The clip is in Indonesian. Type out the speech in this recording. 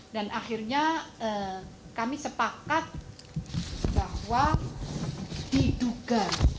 dan akhirnya kami sepakat bahwa diduga